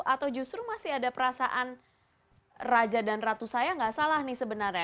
atau justru masih ada perasaan raja dan ratu saya nggak salah nih sebenarnya